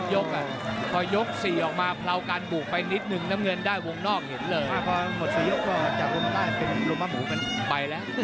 แทกเข้าทรู่ถ่อหน่อยเลยคู่นี้เล่นแต่เจ็บด้วยนะ